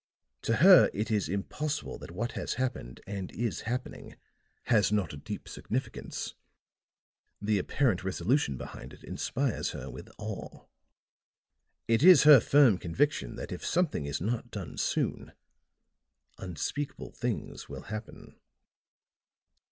To her, it is impossible that what has happened and is happening has not a deep significance; the apparent resolution behind it inspires her with awe. It is her firm conviction that if something is not soon done, unspeakable things will happen."